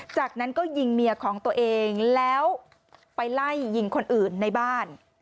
จากนั้นก็ยิงเมียของตัวเองแล้วไปไล่ยิงคนอื่นในบ้าน